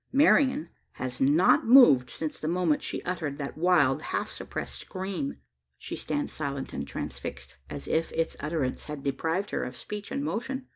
Marian has not moved since the moment she uttered that wild, half suppressed scream. She stands silent and transfixed, as if its utterance had deprived her of speech and motion.